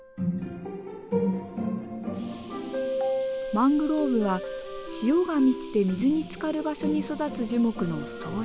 マングローブは潮が満ちて水につかる場所に育つ樹木の総称。